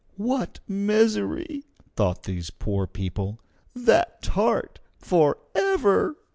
"What misery!" thought these poor people. "That tart forever!"